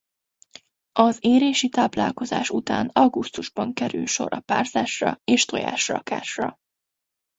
Az érési táplálkozás után augusztusban kerül sor a párzásra és tojásrakásra.